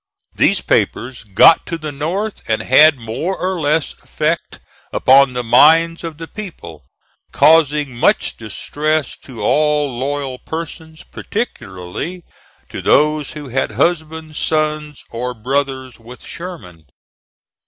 These papers got to the North and had more or less effect upon the minds of the people, causing much distress to all loyal persons particularly to those who had husbands, sons or brothers with Sherman.